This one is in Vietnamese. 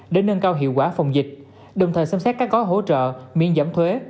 để nâng cao hiệu quả phòng dịch đồng thời xem xét các gói hỗ trợ miễn giảm thuế